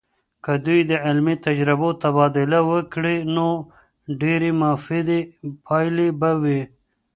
که دوی د علمي تجربو تبادله وکړي، نو ډیرې مفیدې پایلې به وي.